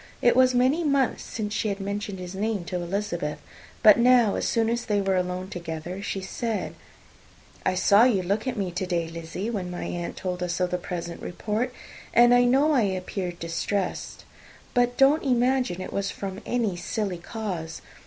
It was many months since she had mentioned his name to Elizabeth; but now, as soon as they were alone together, she said, "I saw you look at me to day, Lizzy, when my aunt told us of the present report; and I know I appeared distressed; but don't imagine it was from any silly cause.